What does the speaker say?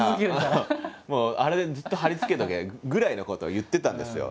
「あれずっと貼りつけとけ」ぐらいのことを言ってたんですよ。